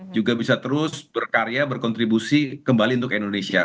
juga bisa terus berkarya berkontribusi kembali untuk indonesia